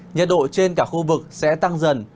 nhiệt độ trên cả khu vực sẽ tăng dần